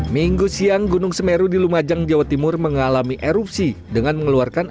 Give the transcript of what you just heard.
minggu siang gunung semeru di lumajang jawa timur mengalami erupsi dengan mengeluarkan